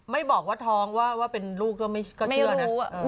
ไม่บอกว่าท้องว่าเป็นลูกก็เชื่อนะ